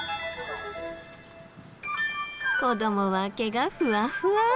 子どもは毛がふわふわ。